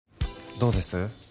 どうです？